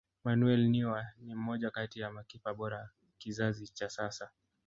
manuel neuer ni mmoja kati ya makipa bora wa kizazi cha sasa